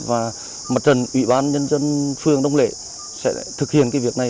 và mặt trần ủy ban nhân dân phương đông lễ sẽ thực hiện việc này